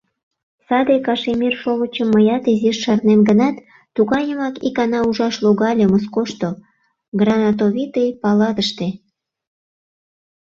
Саде кашемир шовычым мыят изиш шарнем гынат, тугайымак икана ужаш логале Москошто, Гранатовитый палатыште.